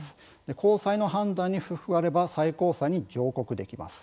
高裁の判断に不服があれば最高裁に上告できます。